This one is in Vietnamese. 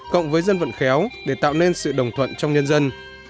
cộng với dân vận khéo để tạo nên sự đồng thuận trong nhân dân